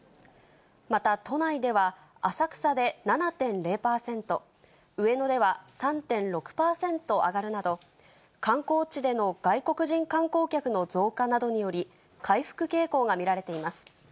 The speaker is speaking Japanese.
また、都内では浅草で７．０％、上野では３．６％上がるなど、観光地での外国人観光客の増加などにより、回復傾向が見られています。